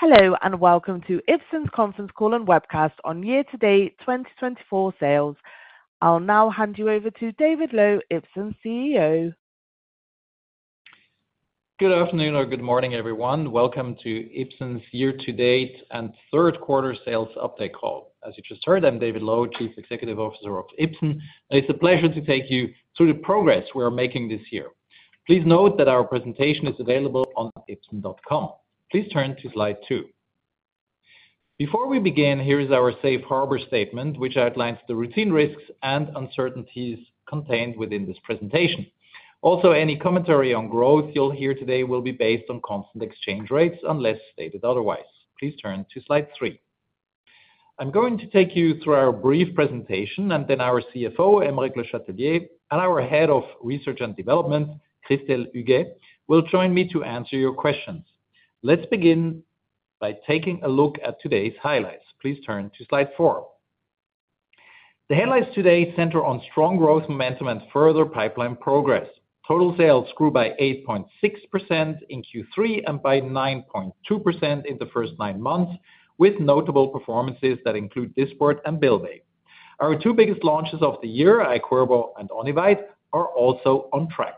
Hello, and welcome to Ipsen's Conference Call and webcast on year-to-date 2024 sales. I'll now hand you over to David Loew, Ipsen's CEO. Good afternoon or good morning, everyone. Welcome to Ipsen's year-to-date and third quarter sales update call. As you just heard, I'm David Loew, Chief Executive Officer of Ipsen, and it's a pleasure to take you through the progress we are making this year. Please note that our presentation is available on ipsen.com. Please turn to slide two. Before we begin, here is our safe harbor statement, which outlines the routine risks and uncertainties contained within this presentation. Also, any commentary on growth you'll hear today will be based on constant exchange rates, unless stated otherwise. Please turn to slide three. I'm going to take you through our brief presentation, and then our CFO, Aymeric Le Châtelier, and our Head of Research and Development, Christelle Huguet, will join me to answer your questions. Let's begin by taking a look at today's highlights. Please turn to slide four. The highlights today center on strong growth momentum and further pipeline progress. Total sales grew by 8.6% in Q3 and by 9.2% in the first nine months, with notable performances that include Dysport and Bylvay. Our two biggest launches of the year, Iqirvo and Onivyde, are also on track.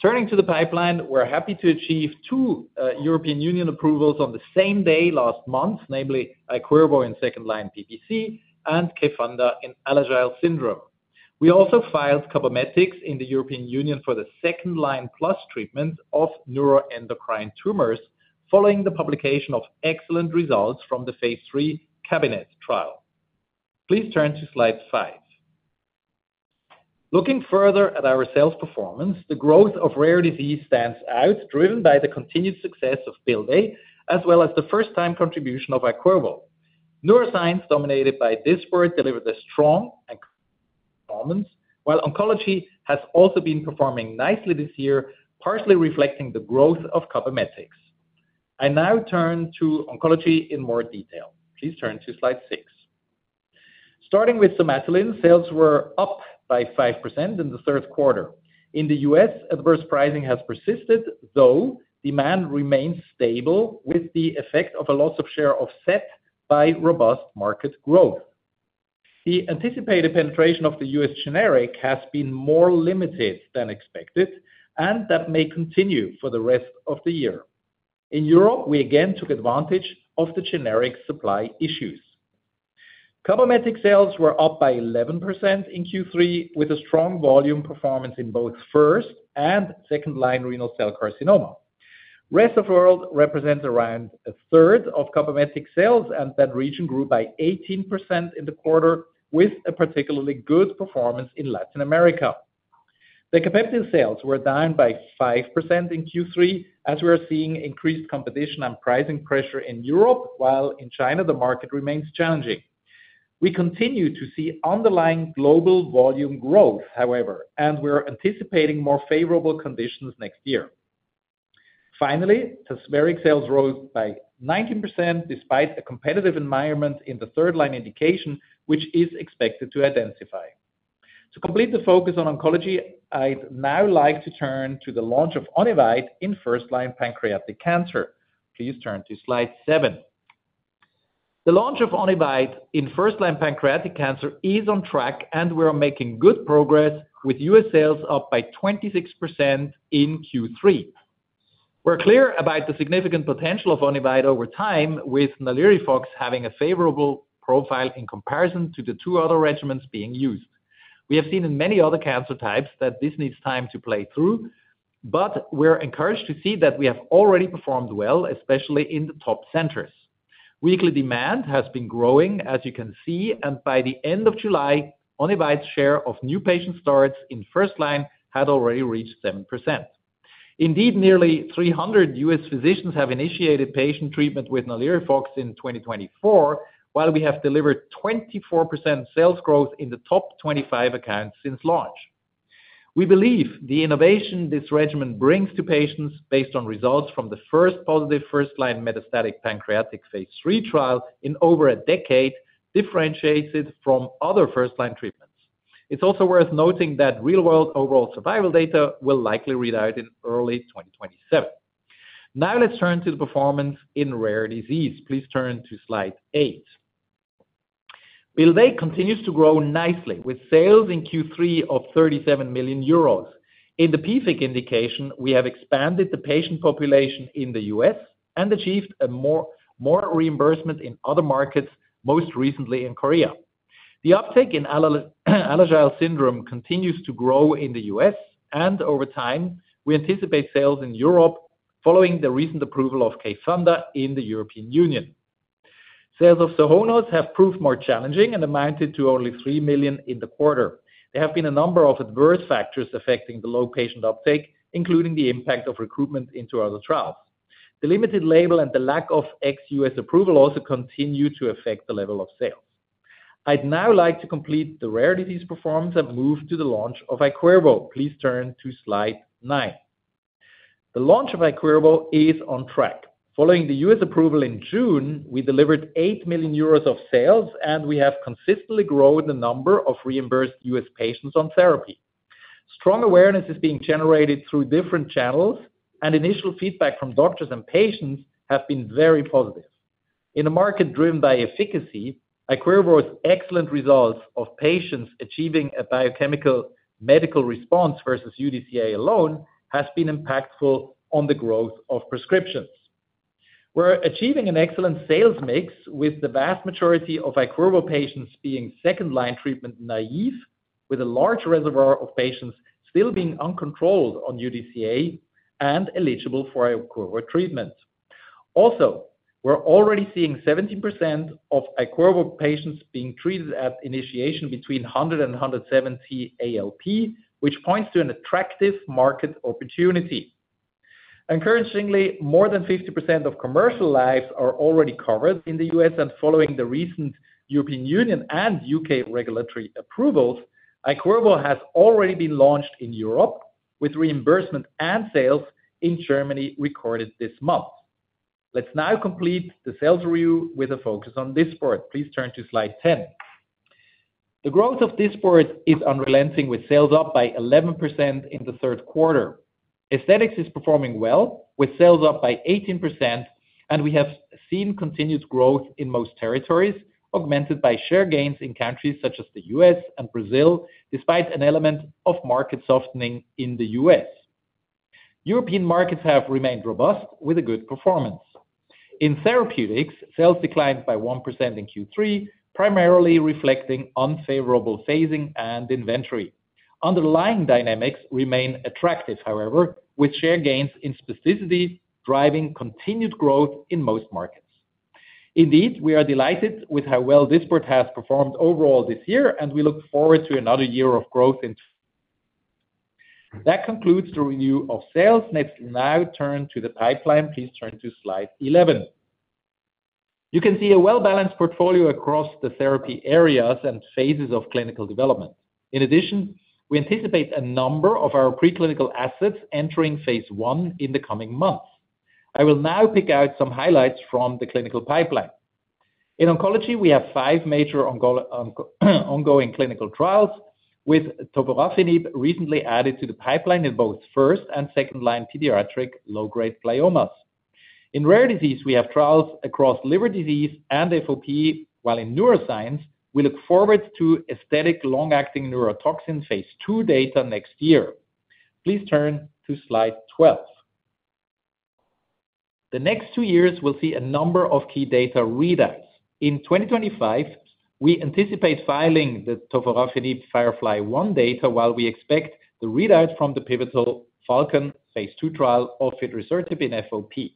Turning to the pipeline, we're happy to achieve two European Union approvals on the same day last month, namely Iqirvo in second-line PBC and Kayfanda in Alagille syndrome. We also filed Cabometyx in the European Union for the second-line plus treatment of neuroendocrine tumors, following the publication of excellent results from the phase 3 CABINET trial. Please turn to slide five. Looking further at our sales performance, the growth of rare disease stands out, driven by the continued success of Bylvay, as well as the first time contribution of Iqirvo. Neuroscience, dominated by Dysport, delivered a strong performance, while oncology has also been performing nicely this year, partially reflecting the growth of Cabometyx. I now turn to oncology in more detail. Please turn to slide six. Starting with Somatuline, sales were up by 5% in the third quarter. In the U.S., adverse pricing has persisted, though demand remains stable, with the effect of a loss of share offset by robust market growth. The anticipated penetration of the U.S. generic has been more limited than expected, and that may continue for the rest of the year. In Europe, we again took advantage of the generic supply issues. Cabometyx sales were up by 11% in Q3, with a strong volume performance in both first and second-line renal cell carcinoma. Rest of world represents around a third of Cabometyx sales, and that region grew by 18% in the quarter, with a particularly good performance in Latin America. Decapeptyl sales were down by 5% in Q3, as we are seeing increased competition and pricing pressure in Europe, while in China, the market remains challenging. We continue to see underlying global volume growth, however, and we are anticipating more favorable conditions next year. Finally, Tazverik sales rose by 19%, despite a competitive environment in the third line indication, which is expected to intensify. To complete the focus on oncology, I'd now like to turn to the launch of Onivyde in first-line pancreatic cancer. Please turn to slide 7. The launch of Onivyde in first-line pancreatic cancer is on track, and we are making good progress with U.S. sales up by 26% in Q3. We're clear about the significant potential of Onivyde over time, with NALIRIFOX having a favorable profile in comparison to the two other regimens being used. We have seen in many other cancer types that this needs time to play through, but we're encouraged to see that we have already performed well, especially in the top centers. Weekly demand has been growing, as you can see, and by the end of July, Onivyde's share of new patient starts in first line had already reached 7%. Indeed, nearly 300 U.S. physicians have initiated patient treatment with NALIRIFOX in twenty twenty-four, while we have delivered 24% sales growth in the top 25 accounts since launch. We believe the innovation this regimen brings to patients based on results from the first positive first-line metastatic pancreatic phase 3 trial in over a decade, differentiates it from other first-line treatments. It's also worth noting that real-world overall survival data will likely read out in early 2027. Now, let's turn to the performance in rare disease. Please turn to slide eight. Bylvay continues to grow nicely, with sales in Q3 of 37 million euros. In the PFIC indication, we have expanded the patient population in the U.S. and achieved more reimbursement in other markets, most recently in South Korea. The uptake in Alagille syndrome continues to grow in the U.S., and over time, we anticipate sales in Europe following the recent approval of Kayfanda in the European Union. Sales of Sohonos have proved more challenging and amounted to only 3 million EUR in the quarter. There have been a number of adverse factors affecting the low patient uptake, including the impact of recruitment into other trials. The limited label and the lack of ex-U.S. approval also continue to affect the level of sales. I'd now like to complete the rare disease performance and move to the launch of Iqirvo. Please turn to slide 9. The launch of Iqirvo is on track. Following the U.S. approval in June, we delivered eight million EUR of sales, and we have consistently grown the number of reimbursed U.S. patients on therapy. Strong awareness is being generated through different channels, and initial feedback from doctors and patients have been very positive. In a market driven by efficacy, Iqirvo's excellent results of patients achieving a biochemical response versus UDCA alone, has been impactful on the growth of prescriptions. We're achieving an excellent sales mix, with the vast majority of Iqirvo patients being second line treatment naive, with a large reservoir of patients still being uncontrolled on UDCA and eligible for Iqirvo treatment. Also, we're already seeing 70% of Iqirvo patients being treated at initiation between 100 and 170 ALP, which points to an attractive market opportunity. Encouragingly, more than 50% of covered lives are already covered in the U.S., and following the recent European Union and U.K. regulatory approvals, Iqirvo has already been launched in Europe, with reimbursement and sales in Germany recorded this month. Let's now complete the sales review with a focus on Dysport. Please turn to slide 10. The growth of Dysport is unrelenting, with sales up by 11% in the third quarter. Aesthetics is performing well, with sales up by 18%, and we have seen continued growth in most territories, augmented by share gains in countries such as the U.S. and Brazil, despite an element of market softening in the U.S. European markets have remained robust with a good performance. In therapeutics, sales declined by 1% in Q3, primarily reflecting unfavorable phasing and inventory. Underlying dynamics remain attractive, however, with share gains in specialty, driving continued growth in most markets. Indeed, we are delighted with how well Dysport has performed overall this year, and we look forward to another year of growth in. That concludes the review of sales. Let's now turn to the pipeline. Please turn to slide 11. You can see a well-balanced portfolio across the therapy areas and phases of clinical development. In addition, we anticipate a number of our preclinical assets entering phase one in the coming months. I will now pick out some highlights from the clinical pipeline. In oncology, we have five major ongoing clinical trials, with tovarafenib recently added to the pipeline in both first and second line pediatric low-grade gliomas. In rare disease, we have trials across liver disease and FOP, while in neuroscience, we look forward to aesthetic long-acting neurotoxin phase two data next year. Please turn to slide 12. The next two years, we'll see a number of key data readouts. In twenty twenty-five, we anticipate filing the tovarafenib FIREFLY-1 data, while we expect the readout from the pivotal FALCON phase two trial of fidrisertib in FOP.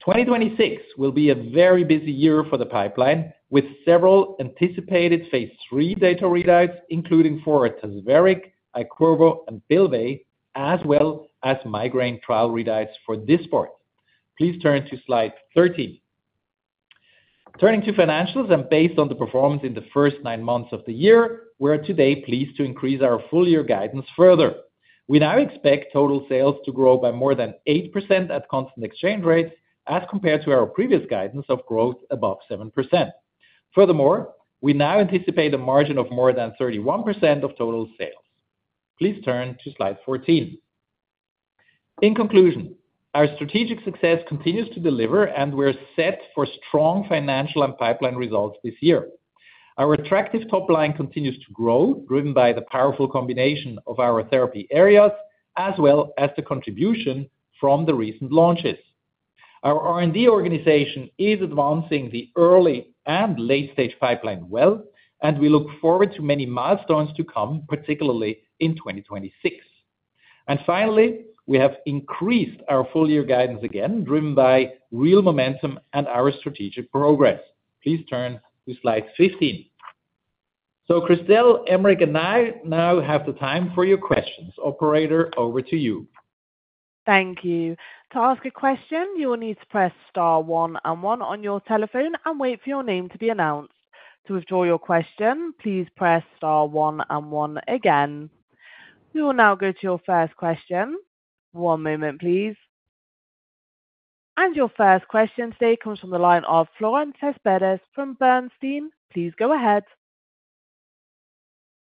2026 will be a very busy year for the pipeline, with several anticipated phase 3 data readouts, including for Tazverik, Iqirvo, and Bylvay, as well as migraine trial readouts for Dysport. Please turn to slide 13. Turning to financials and based on the performance in the first nine months of the year, we are today pleased to increase our full year guidance further. We now expect total sales to grow by more than 8% at constant exchange rates, as compared to our previous guidance of growth above 7%. Furthermore, we now anticipate a margin of more than 31% of total sales. Please turn to slide 14. In conclusion, our strategic success continues to deliver, and we're set for strong financial and pipeline results this year. Our attractive top line continues to grow, driven by the powerful combination of our therapy areas, as well as the contribution from the recent launches. Our R&D organization is advancing the early and late stage pipeline well, and we look forward to many milestones to come, particularly in twenty twenty-six. And finally, we have increased our full year guidance again, driven by real momentum and our strategic progress. Please turn to slide 15. So Christelle, Aymeric, and I now have the time for your questions. Operator, over to you. Thank you. To ask a question, you will need to press star one and one on your telephone and wait for your name to be announced. To withdraw your question, please press star one and one again. We will now go to your first question. One moment, please. Your first question today comes from the line of Florent Cespedes from Bernstein. Please go ahead.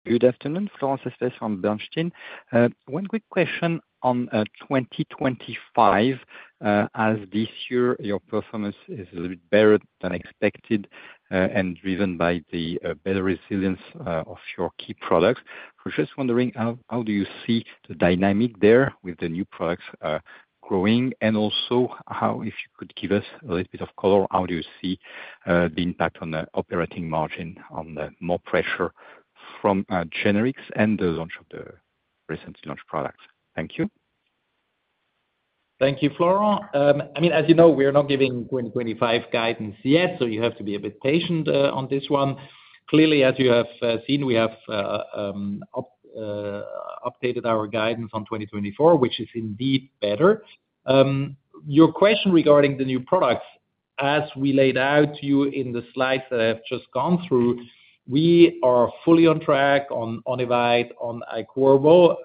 Good afternoon, Florent Cespedes from Bernstein. One quick question on 2025. As this year, your performance is a little bit better than expected, and driven by the better resilience of your key products. We're just wondering, how do you see the dynamic there with the new products growing, and also how, if you could give us a little bit of color, how do you see the impact on the operating margin, on the more pressure from generics and the launch of the recently launched products? Thank you. Thank you, Florent. I mean, as you know, we are not giving 2025 guidance yet, so you have to be a bit patient, on this one. Clearly, as you have seen, we have updated our guidance on 2024, which is indeed better. Your question regarding the new products, as we laid out to you in the slides that I have just gone through, we are fully on track on Onivyde, on Iqirvo.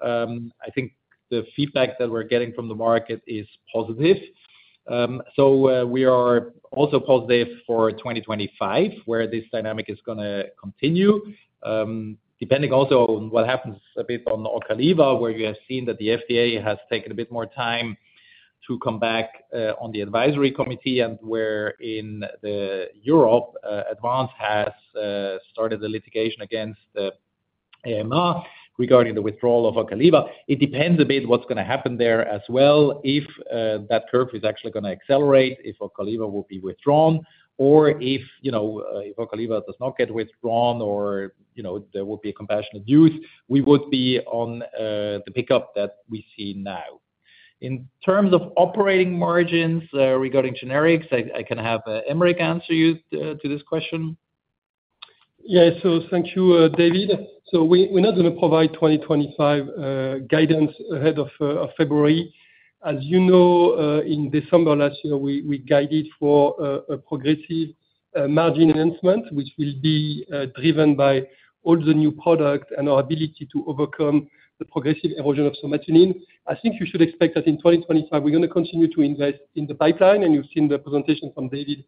I think the feedback that we're getting from the market is positive. So, we are also positive for 2025, where this dynamic is gonna continue. Depending also on what happens a bit on the Ocaliva, where you have seen that the FDA has taken a bit more time to come back on the advisory committee, and where in Europe, Advanz has started the litigation against the EMA regarding the withdrawal of Ocaliva. It depends a bit what's gonna happen there as well, if that curve is actually gonna accelerate, if Ocaliva will be withdrawn, or if, you know, if Ocaliva does not get withdrawn or, you know, there will be a compassionate use, we would be on the pickup that we see now. In terms of operating margins, regarding generics, I can have Aymeric answer you to this question. Yeah. So thank you, David. So we, we're not gonna provide 2025 guidance ahead of of February. As you know, in December last year, we, we guided for a, a progressive margin enhancement, which will be driven by all the new product and our ability to overcome the progressive erosion of somatostatin. I think you should expect that in 2025, we're gonna continue to invest in the pipeline, and you've seen the presentation from David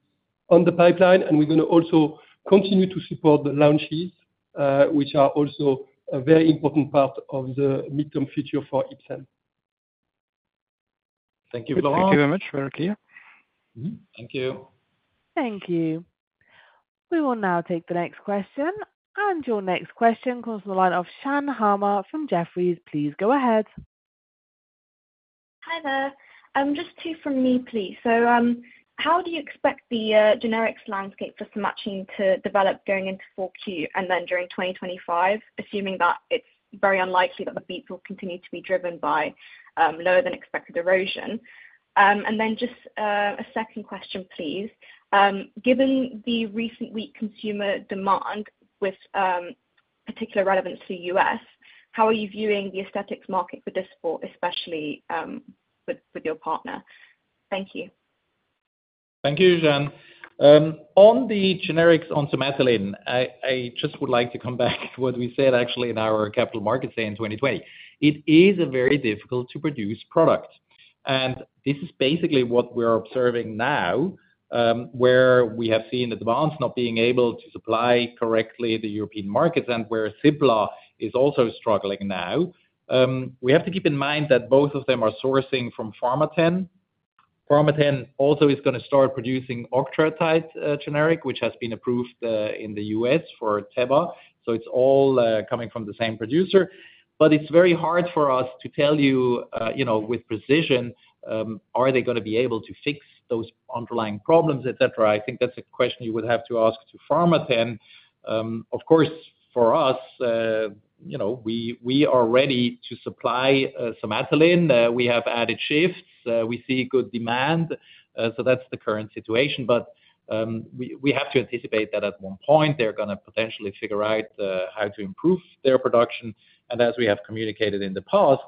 on the pipeline, and we're gonna also continue to support the launches, which are also a very important part of the midterm future for Ipsen. Thank you very much. Thank you very much. Very clear. Mm-hmm. Thank you. Thank you. We will now take the next question, and your next question comes from the line of Shan Harmer from Jefferies. Please go ahead. Hi, there. Just two from me, please. How do you expect the generics landscape for Somatuline to develop going into Q4, and then during 2025, assuming that it's very unlikely that the beats will continue to be driven by lower than expected erosion? Just a second question, please. Given the recent weak consumer demand with particular relevance to U.S., how are you viewing the aesthetics market for this quarter, especially with your partner? Thank you. Thank you, Shan. On the generics, on somatostatin, I just would like to come back to what we said actually in our capital markets day in 2020. It is a very difficult-to-produce product, and this is basically what we're observing now, where we have seen Advanz not being able to supply correctly the European markets and where Cipla is also struggling now. We have to keep in mind that both of them are sourcing from Pharmathen. Pharmathen also is gonna start producing octreotide generic, which has been approved in the U.S. for Teva. So it's all coming from the same producer. But it's very hard for us to tell you, you know, with precision, are they gonna be able to fix those underlying problems, et cetera. I think that's a question you would have to ask to Pharmathen. Of course, for us, you know, we are ready to supply somatostatin. We have added shifts. We see good demand. So that's the current situation. But we have to anticipate that at one point they're gonna potentially figure out how to improve their production. And as we have communicated in the past,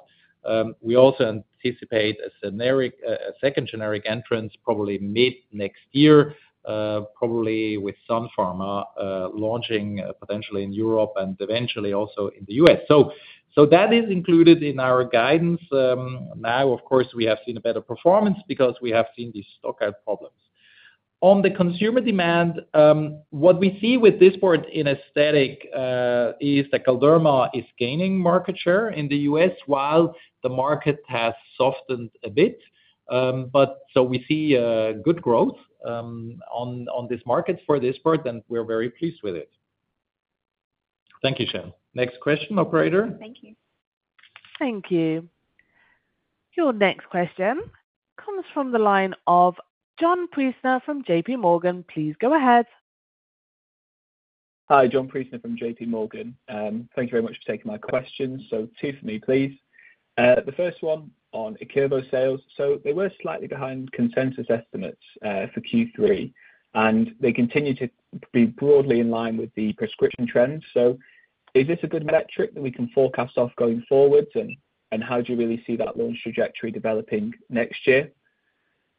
we also anticipate a generic, a second generic entrance, probably mid next year, probably with Sun Pharma, launching, potentially in Europe and eventually also in the U.S. So that is included in our guidance. Now, of course, we have seen a better performance because we have seen these stockout problems. On the consumer demand, what we see with this part in aesthetic is that Galderma is gaining market share in the U.S., while the market has softened a bit. But so we see good growth on this market for this part, and we're very pleased with it. Thank you, Shan. Next question, operator? Thank you. Thank you. Your next question comes from the line of John Priestner from J.P. Morgan. Please go ahead. Hi, John Priestner from J.P. Morgan. Thank you very much for taking my questions. So two for me, please. The first one on Iqirvo sales. So they were slightly behind consensus estimates for Q3, and they continue to be broadly in line with the prescription trends. So is this a good metric that we can forecast off going forward, and how do you really see that launch trajectory developing next year?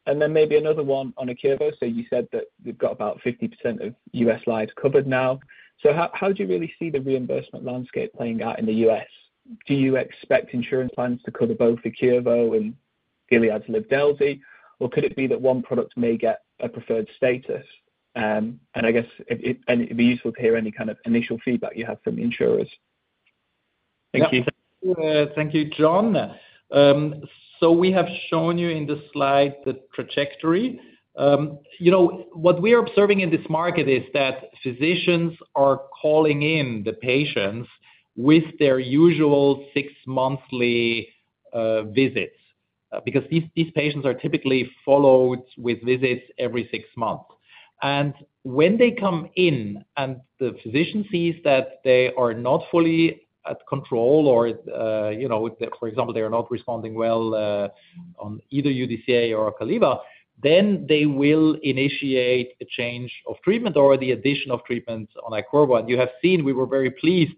And then maybe another one on Iqirvo. So you said that you've got about 50% of U.S. lives covered now. So how do you really see the reimbursement landscape playing out in the U.S.? Do you expect insurance plans to cover both Iqirvo and Gilead's Livdelzi, or could it be that one product may get a preferred status? And I guess if it... And it'd be useful to hear any kind of initial feedback you have from insurers. Thank you. Thank you, John. So we have shown you in the slide the trajectory. You know, what we are observing in this market is that physicians are calling in the patients with their usual six-monthly visits because these patients are typically followed with visits every six months. And when they come in and the physician sees that they are not fully at control or, you know, for example, they are not responding well on either UDCA or Ocaliva, then they will initiate a change of treatment or the addition of treatment on Iqirvo. And you have seen, we were very pleased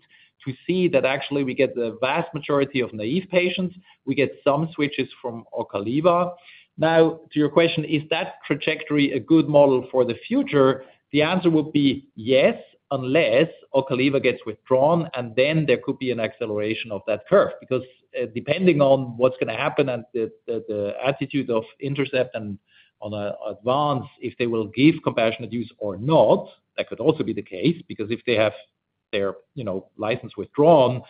to see that actually we get the vast majority of naive patients. We get some switches from Ocaliva. Now, to your question, is that trajectory a good model for the future? The answer would be yes, unless Ocaliva gets withdrawn, and then there could be an acceleration of that curve. Because, depending on what's gonna happen and the attitude of Intercept and Advanz, if they will give compassionate use or not, that could also be the case, because if they have their license withdrawn,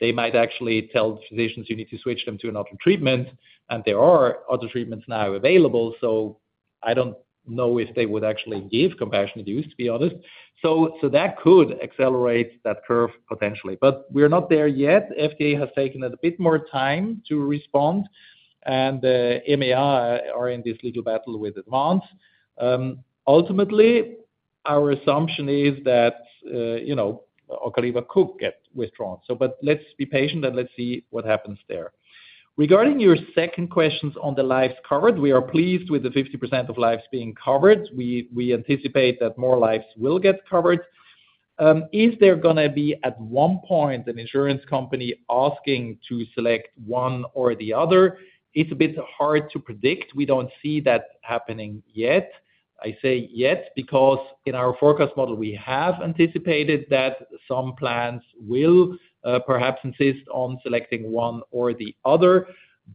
they might actually tell physicians, "You need to switch them to another treatment." And there are other treatments now available, so I don't know if they would actually give compassionate use, to be honest. So that could accelerate that curve potentially. But we're not there yet. FDA has taken a bit more time to respond, and they are in this legal battle with Advanz. Ultimately, our assumption is that Ocaliva could get withdrawn. So but let's be patient, and let's see what happens there. Regarding your second questions on the lives covered, we are pleased with the 50% of lives being covered. We anticipate that more lives will get covered. Is there gonna be, at one point, an insurance company asking to select one or the other? It's a bit hard to predict. We don't see that happening yet. I say yet, because in our forecast model, we have anticipated that some plans will perhaps insist on selecting one or the other.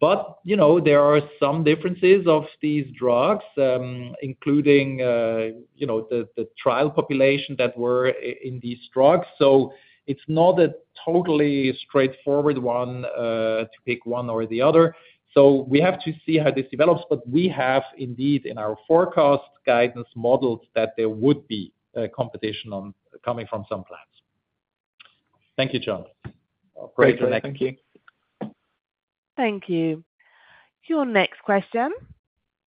But, you know, there are some differences of these drugs, including, you know, the trial population that were in these drugs. So it's not a totally straightforward one to pick one or the other. So we have to see how this develops, but we have indeed, in our forecast guidance models, that there would be competition on... Coming from some plans. Thank you, John. Great. Thank you. Thank you. Your next question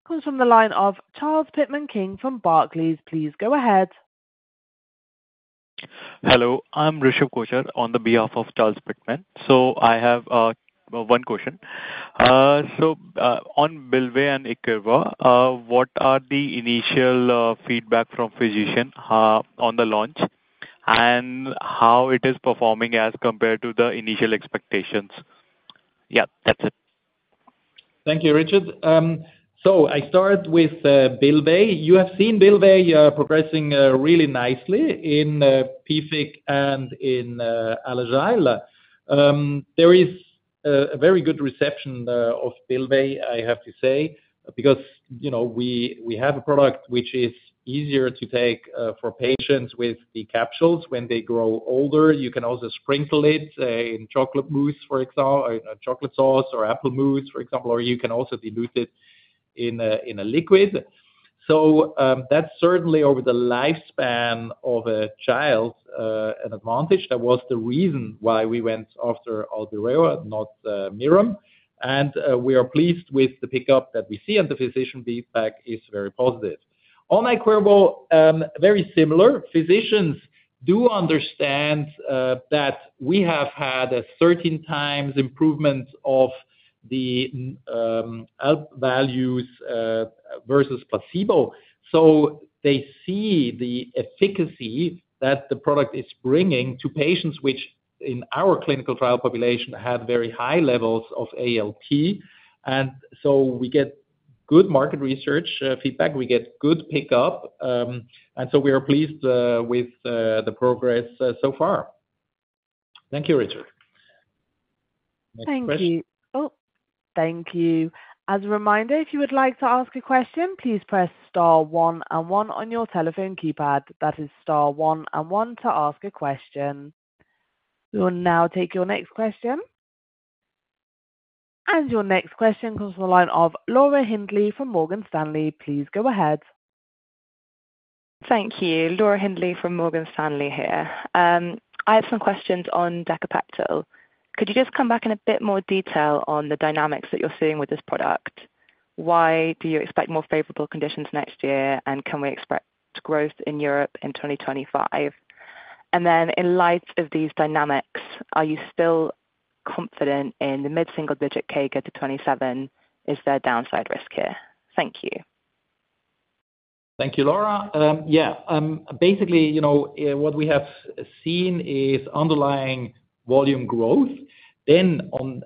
comes from the line of Charles Pitman from Barclays. Please go ahead. Hello, I'm Richard Kocher on behalf of Charles Pitman. I have one question. On Bylvay and Iqirvo, what are the initial feedback from physician on the launch? And how it is performing as compared to the initial expectations? Yeah, that's it. Thank you, Richard. So I start with Bylvay. You have seen Bylvay progressing really nicely in PFIC and in Alagille. There is a very good reception of Bylvay, I have to say, because, you know, we have a product which is easier to take for patients with the capsules. When they grow older, you can also sprinkle it in chocolate mousse, chocolate sauce or apple mousse, for example, or you can also dilute it in a liquid. So that's certainly over the lifespan of a child an advantage. That was the reason why we went after Albireo, not Mirum. And we are pleased with the pickup that we see, and the physician feedback is very positive. On Iqirvo, very similar. Physicians do understand that we have had a thirteen times improvement of the ALP values versus placebo. So they see the efficacy that the product is bringing to patients, which, in our clinical trial population, had very high levels of ALP. And so we get good market research feedback. We get good pickup and so we are pleased with the progress so far. Thank you, Richard. Thank you. Oh, thank you. As a reminder, if you would like to ask a question, please press star one and one on your telephone keypad. That is star one and one to ask a question. We will now take your next question, and your next question comes from the line of Laura Hindley from Morgan Stanley. Please go ahead. Thank you. Laura Hindley from Morgan Stanley here. I have some questions on Decapeptyl. Could you just come back in a bit more detail on the dynamics that you're seeing with this product? Why do you expect more favorable conditions next year, and can we expect growth in Europe in 2025? And then, in light of these dynamics, are you still confident in the mid-single-digit CAGR at the 2027? Is there downside risk here? Thank you. Thank you, Laura. Yeah. Basically, you know, what we have seen is underlying volume growth. Then on,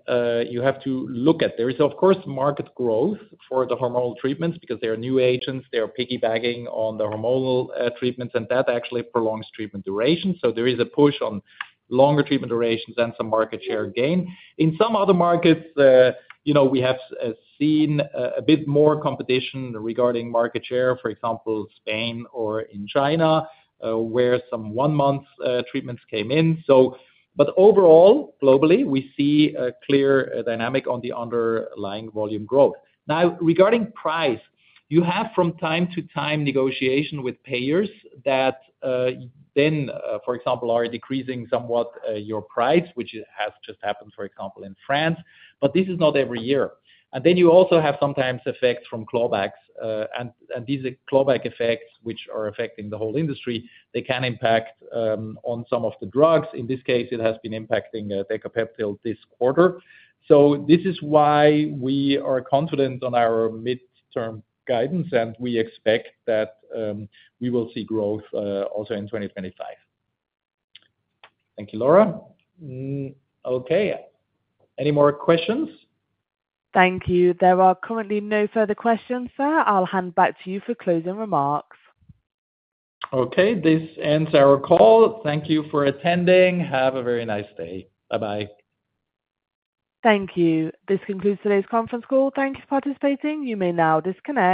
you have to look at; there is, of course, market growth for the hormonal treatments because they are new agents. They are piggybacking on the hormonal treatments, and that actually prolongs treatment duration. So there is a push on longer treatment durations and some market share gain. In some other markets, you know, we have seen a bit more competition regarding market share, for example, Spain or in China, where some one-month treatments came in. So, but overall, globally, we see a clear dynamic on the underlying volume growth. Now, regarding price, you have from time to time negotiation with payers that, then, for example, are decreasing somewhat, your price, which has just happened, for example, in France, but this is not every year. And then you also have sometimes effects from clawbacks, and these clawback effects, which are affecting the whole industry, they can impact on some of the drugs. In this case, it has been impacting Decapeptyl this quarter. So this is why we are confident on our midterm guidance, and we expect that we will see growth also in 2025. Thank you, Laura. Mm, okay, any more questions? Thank you. There are currently no further questions, sir. I'll hand back to you for closing remarks. Okay, this ends our call. Thank you for attending. Have a very nice day. Bye-bye. Thank you. This concludes today's conference call. Thank you for participating. You may now disconnect.